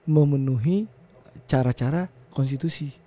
memenuhi cara cara konstitusi